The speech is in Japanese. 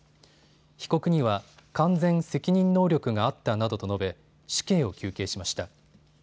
被告には完全責任能力があったなどと述べ、死刑を求刑しました。